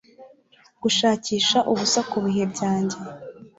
Gushakisha ubusa kubihe byanjye